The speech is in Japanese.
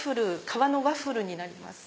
革のワッフルになります。